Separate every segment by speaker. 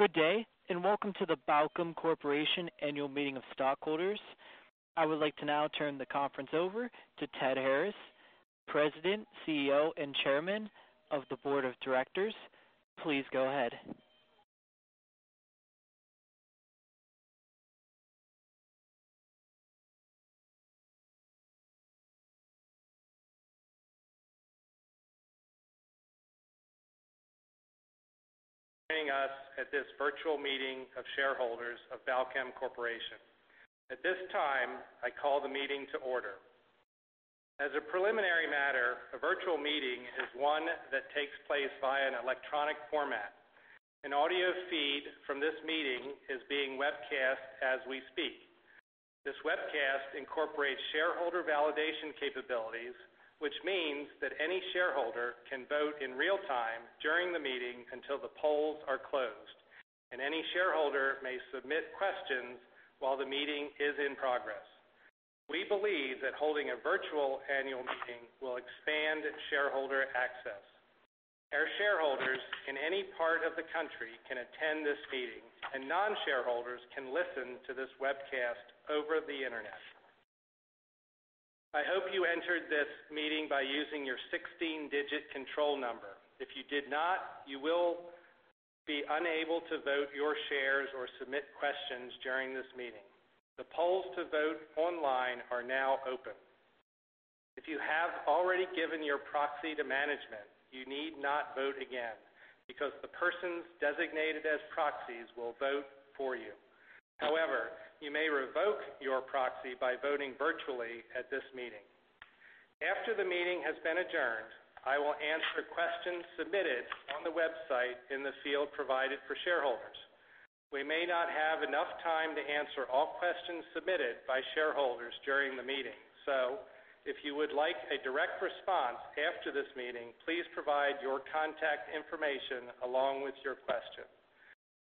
Speaker 1: Good day, and welcome to the Balchem Corporation Annual Meeting of Stockholders. I would like to now turn the conference over to Ted Harris, President, CEO, and Chairman of the Board of Directors. Please go ahead.
Speaker 2: joining us at this virtual meeting of shareholders of Balchem Corporation. At this time, I call the meeting to order. As a preliminary matter, a virtual meeting is one that takes place via an electronic format. An audio feed from this meeting is being webcast as we speak. This webcast incorporates shareholder validation capabilities, which means that any shareholder can vote in real time during the meeting until the polls are closed, and any shareholder may submit questions while the meeting is in progress. We believe that holding a virtual annual meeting will expand shareholder access. Our shareholders in any part of the country can attend this meeting, and non-shareholders can listen to this webcast over the internet. I hope you entered this meeting by using your 16-digit control number. If you did not, you will be unable to vote your shares or submit questions during this meeting. The polls to vote online are now open. If you have already given your proxy to management, you need not vote again because the persons designated as proxies will vote for you. However, you may revoke your proxy by voting virtually at this meeting. After the meeting has been adjourned, I will answer questions submitted on the website in the field provided for shareholders. We may not have enough time to answer all questions submitted by shareholders during the meeting. If you would like a direct response after this meeting, please provide your contact information along with your question.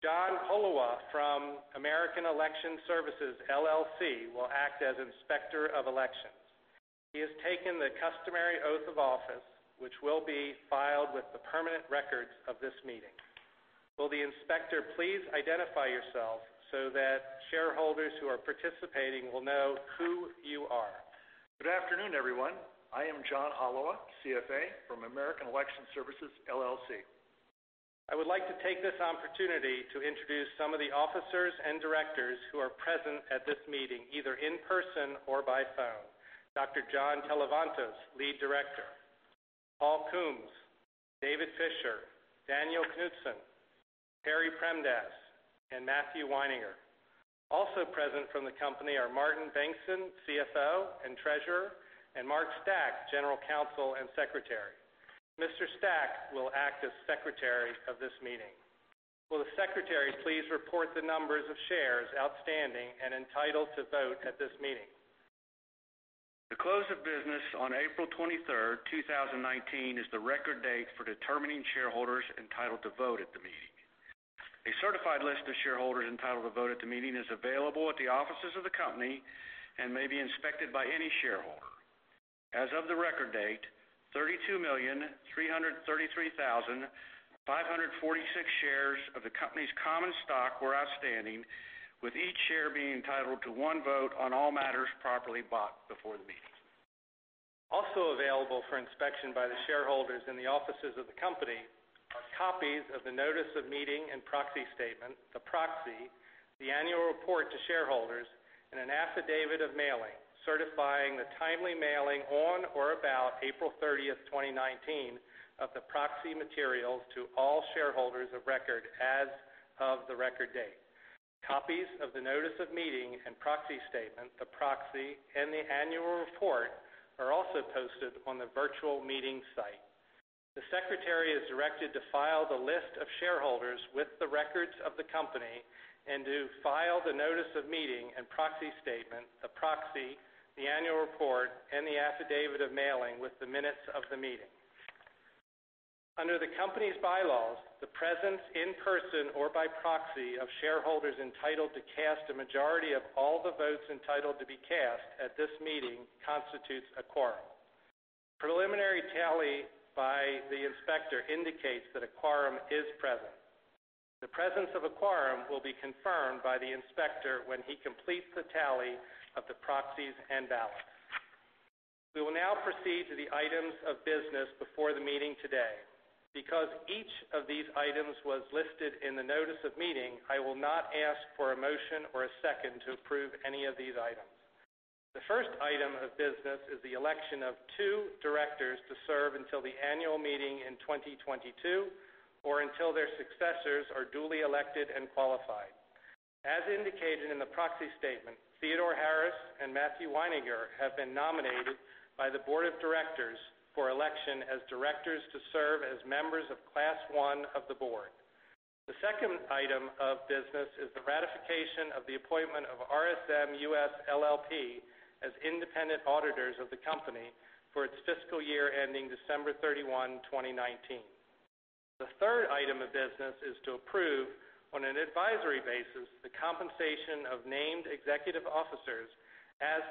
Speaker 2: John Holewa from American Election Services, LLC will act as Inspector of Elections. He has taken the customary oath of office, which will be filed with the permanent records of this meeting. Will the Inspector please identify yourself so that shareholders who are participating will know who you are?
Speaker 3: Good afternoon, everyone. I am John Holewa, CFA from American Election Services, LLC.
Speaker 2: I would like to take this opportunity to introduce some of the officers and directors who are present at this meeting, either in person or by phone. Dr. John Televantos, Lead Director, Paul Coombs, David Fischer, Daniel Knutson, Harry Premdas, and Matthew Wineinger. Also present from the company are Martin Bengtsson, CFO and Treasurer, and Mark Stach, General Counsel and Secretary. Mr. Stach will act as secretary of this meeting. Will the secretary please report the numbers of shares outstanding and entitled to vote at this meeting?
Speaker 4: The close of business on April 23rd, 2019, is the record date for determining shareholders entitled to vote at the meeting. A certified list of shareholders entitled to vote at the meeting is available at the offices of the company and may be inspected by any shareholder. As of the record date, 32,333,546 shares of the company's common stock were outstanding, with each share being entitled to one vote on all matters properly brought before the meeting.
Speaker 2: Also available for inspection by the shareholders in the offices of the company are copies of the notice of meeting and proxy statement, the proxy, the annual report to shareholders, and an affidavit of mailing, certifying the timely mailing on or about April 30th, 2019, of the proxy materials to all shareholders of record as of the record date. Copies of the notice of meeting and proxy statement, the proxy, and the annual report are also posted on the virtual meeting site. The secretary is directed to file the list of shareholders with the records of the company and to file the notice of meeting and proxy statement, the proxy, the annual report, and the affidavit of mailing with the minutes of the meeting. Under the company's bylaws, the presence in person or by proxy of shareholders entitled to cast a majority of all the votes entitled to be cast at this meeting constitutes a quorum. Preliminary tally by the inspector indicates that a quorum is present. The presence of a quorum will be confirmed by the inspector when he completes the tally of the proxies and ballots. We will now proceed to the items of business before the meeting today. Because each of these items was listed in the notice of meeting, I will not ask for a motion or a second to approve any of these items. The first item of business is the election of two directors to serve until the annual meeting in 2022 or until their successors are duly elected and qualified. As indicated in the proxy statement, Theodore Harris and Matthew Wineinger have been nominated by the board of directors for election as directors to serve as members of Class 1 of the board. The second item of business is the ratification of the appointment of RSM US LLP as independent auditors of the company for its fiscal year ending December 31, 2019. The third item of business is to approve, on an advisory basis, the compensation of named executive officers as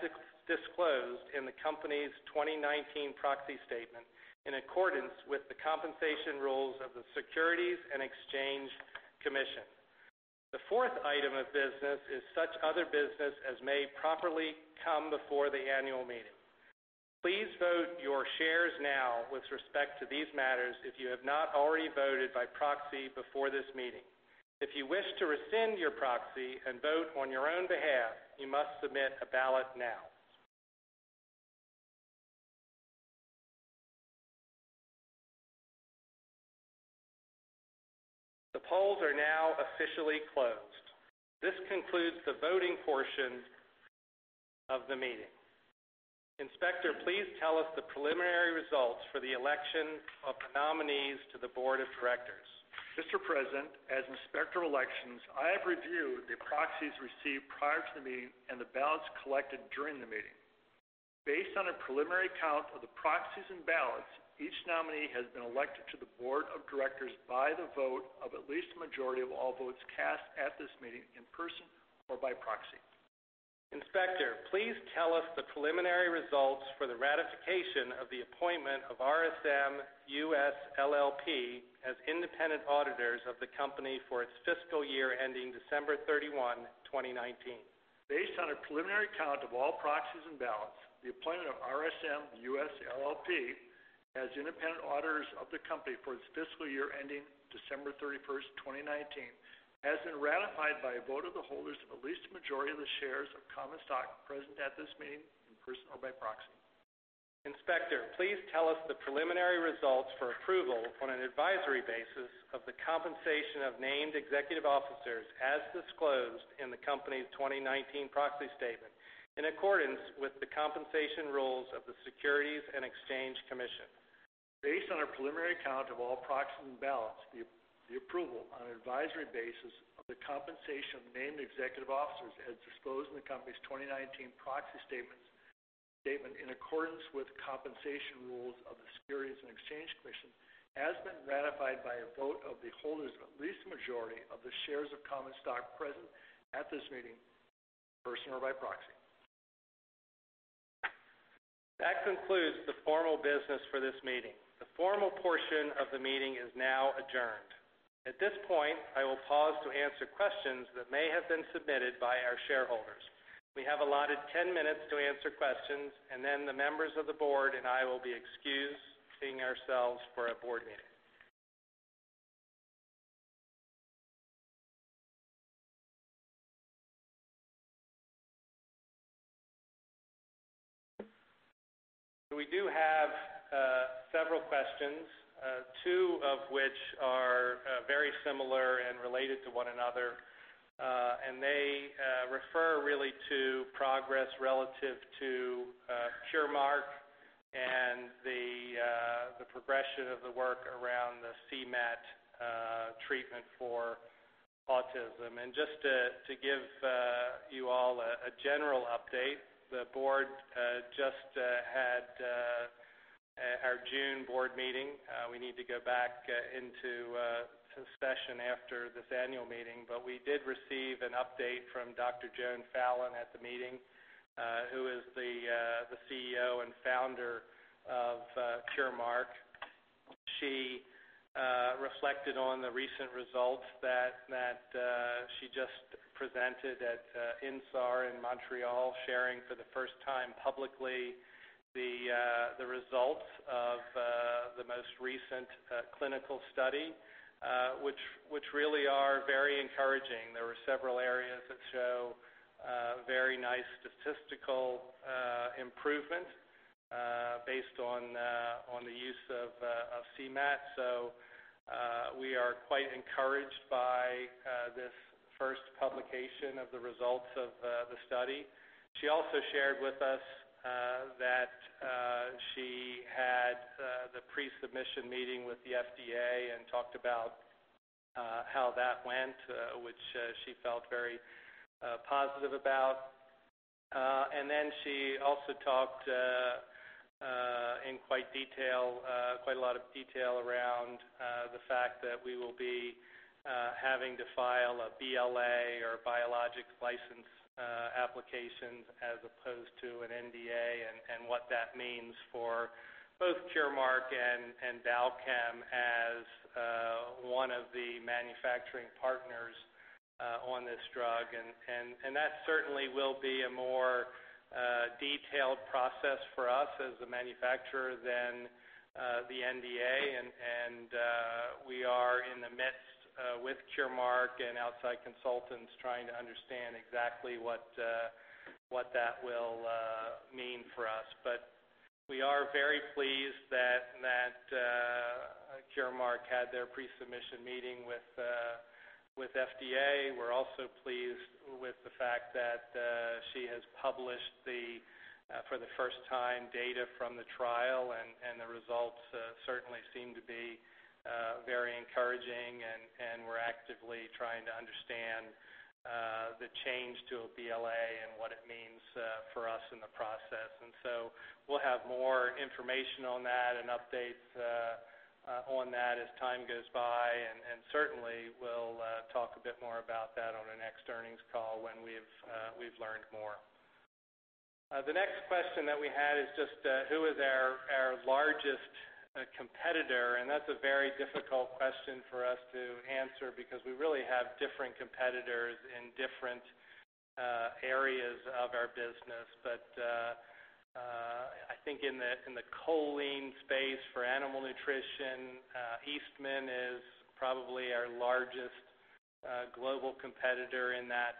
Speaker 2: disclosed in the company's 2019 proxy statement, in accordance with the compensation rules of the Securities and Exchange Commission. The fourth item of business is such other business as may properly come before the annual meeting. Please vote your shares now with respect to these matters if you have not already voted by proxy before this meeting. If you wish to rescind your proxy and vote on your own behalf, you must submit a ballot now. The polls are now officially closed. This concludes the voting portion of the meeting. Inspector, please tell us the preliminary results for the election of the nominees to the board of directors.
Speaker 3: Mr. President, as Inspector of Election, I have reviewed the proxies received prior to the meeting and the ballots collected during the meeting. Based on a preliminary count of the proxies and ballots, each nominee has been elected to the board of directors by the vote of at least a majority of all votes cast at this meeting in person or by proxy.
Speaker 2: Inspector, please tell us the preliminary results for the ratification of the appointment of RSM US LLP as independent auditors of the company for its fiscal year ending December 31, 2019.
Speaker 3: Based on a preliminary count of all proxies and ballots, the appointment of RSM US LLP as independent auditors of the company for its fiscal year ending December 31st, 2019, has been ratified by a vote of the holders of at least a majority of the shares of common stock present at this meeting in person or by proxy.
Speaker 2: Inspector, please tell us the preliminary results for approval on an advisory basis of the compensation of named executive officers as disclosed in the company's 2019 proxy statement, in accordance with the compensation rules of the Securities and Exchange Commission.
Speaker 3: Based on a preliminary count of all proxies and ballots, the approval on an advisory basis of the compensation of named executive officers as disclosed in the company's 2019 proxy statement in accordance with compensation rules of the Securities and Exchange Commission, has been ratified by a vote of the holders of at least a majority of the shares of common stock present at this meeting in person or by proxy.
Speaker 2: That concludes the formal business for this meeting. The formal portion of the meeting is now adjourned. At this point, I will pause to answer questions that may have been submitted by our shareholders. We have allotted ten minutes to answer questions, then the members of the board and I will be excused, seeing ourselves for a board meeting. We do have several questions, two of which are very similar and related to one another. They refer really to progress relative to Curemark and the progression of the work around the CM-AT treatment for autism. Just to give you all a general update, the board just had our June board meeting. We need to go back into session after this annual meeting. We did receive an update from Dr. Joan Fallon at the meeting, who is the CEO and founder of Curemark. She reflected on the recent results that she just presented at INSAR in Montreal, sharing for the first time publicly the results of the most recent clinical study, which really are very encouraging. There were several areas that show very nice statistical improvement based on the use of CM-AT. We are quite encouraged by this first publication of the results of the study. She also shared with us that she had the pre-submission meeting with the FDA and talked about how that went, which she felt very positive about. She also talked in quite a lot of detail around the fact that we will be having to file a BLA or a biologic license application as opposed to an NDA, and what that means for both Curemark and Balchem as one of the manufacturing partners on this drug. That certainly will be a more detailed process for us as the manufacturer than the NDA. We are in the midst with Curemark and outside consultants trying to understand exactly what that will mean for us. We are very pleased that Curemark had their pre-submission meeting with FDA. We're also pleased with the fact that she has published the, for the first time, data from the trial, and the results certainly seem to be very encouraging. We're actively trying to understand the change to a BLA and what it means for us in the process. We'll have more information on that and updates on that as time goes by. Certainly, we'll talk a bit more about that on our next earnings call when we've learned more. The next question that we had is just who is our largest competitor? That's a very difficult question for us to answer, because we really have different competitors in different areas of our business. I think in the choline space for animal nutrition, Eastman is probably our largest global competitor in that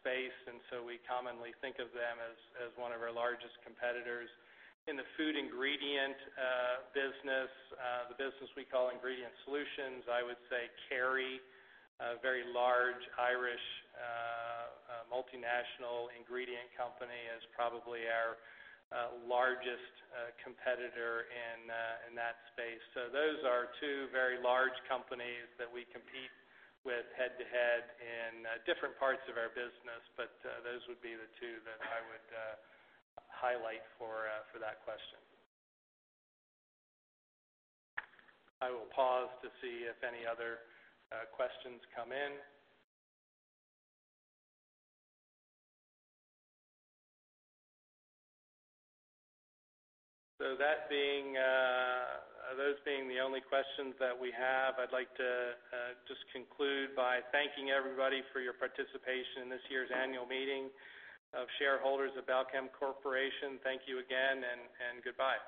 Speaker 2: space, and so we commonly think of them as one of our largest competitors. In the food ingredient business, the business we call Ingredient Solutions, I would say Kerry, a very large Irish multinational ingredient company, is probably our largest competitor in that space. Those are two very large companies that we compete with head-to-head in different parts of our business. Those would be the two that I would highlight for that question. I will pause to see if any other questions come in. Those being the only questions that we have, I'd like to just conclude by thanking everybody for your participation in this year's annual meeting of shareholders of Balchem Corporation. Thank you again, and goodbye.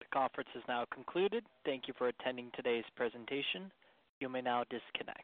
Speaker 1: The conference is now concluded. Thank you for attending today's presentation. You may now disconnect.